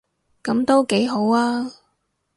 噉都幾好吖